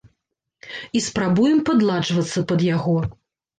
І спрабуем падладжвацца пад яго.